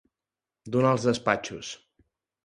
Donar els despatxos.